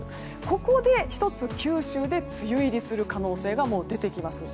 ここで１つ九州で梅雨入りする可能性がもう出てきます。